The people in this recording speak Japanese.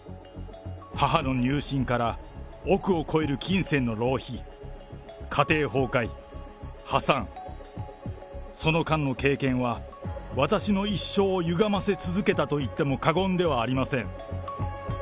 母の入信から億を超える金銭の浪費、家庭崩壊、破産、その間の経験は、私の一生をゆがませ続けたといっても過言ではありません。